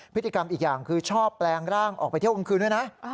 พฤติกรรมอีกอย่างคือชอบแปลงร่างออกไปเที่ยวกลางคืนด้วยนะ